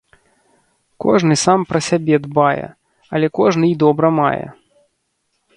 Кожны сам пра сябе дбае, але кожны й добра мае.